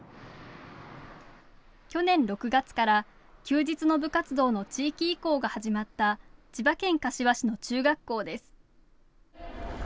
去年６月から休日の部活動の地域移行が始まった千葉県柏市の中学校です。